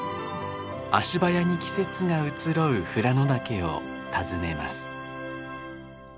足早に季節が移ろう富良野岳を訪ねます。